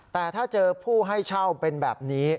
แต่ถ้าเจอผู้ให้เช่าเป็นแบบนี้